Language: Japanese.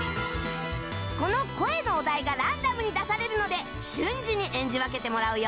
この声のお題がランダムに出されるので瞬時に演じ分けてもらうよ